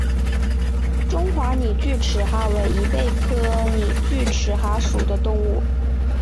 中华拟锯齿蛤为贻贝科拟锯齿蛤属的动物。